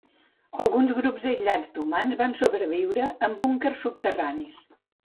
Alguns grups aïllats d'humans van sobreviure en els búnquers subterranis